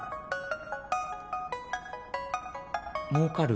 もうかる？